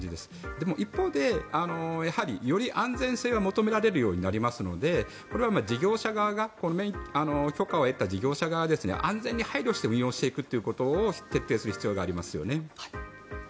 でも、一方でやはり、より安全性が求められるようになりますのでこれは許可を得た事業者側が安全に配慮して運用していくことを徹底していく必要がありますよね。